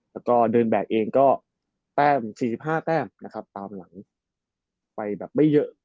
แล้วก็เดินแบกเองก็แต้ม๔๕แต้มนะครับตามหลังไปแบบไม่เยอะ